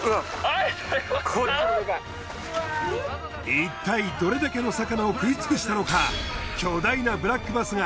いったいどれだけの魚を食いつくしたのか。